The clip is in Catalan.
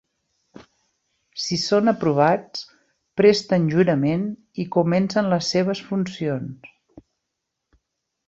Si són aprovats, presten jurament i comencen les seves funcions.